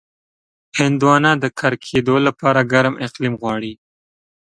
هندوانه د کر کېدو لپاره ګرم اقلیم غواړي.